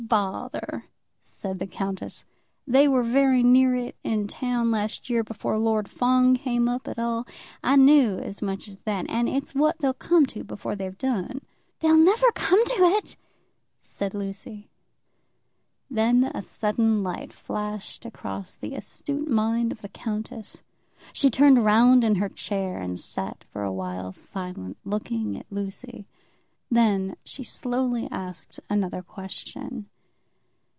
"Bother!" said the countess. "They were very near it in town last year before Lord Fawn came up at all. I knew as much as that. And it's what they'll come to before they've done." "They'll never come to it," said Lucy. Then a sudden light flashed across the astute mind of the countess. She turned round in her chair, and sat for awhile silent, looking at Lucy. Then she slowly asked another question.